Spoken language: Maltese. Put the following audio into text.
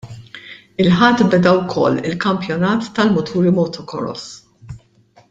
Il-Ħadd beda wkoll il-Kampjonat tal-muturi Motocross.